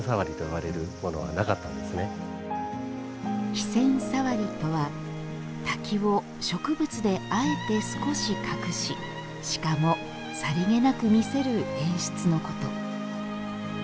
飛泉障りとは滝を植物であえて少し隠ししかも、さりげなく見せる演出のこと。